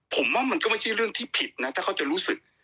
ผมว่ามันก็ไม่ใช่เรื่องที่ผิดนะถ้าเขาจะรู้สึก